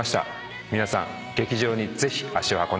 皆さん劇場にぜひ足を運んでください。